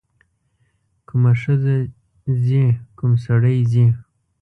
کومه ښځه ځي کوم سړی ځي.